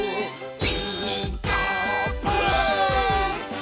「ピーカーブ！」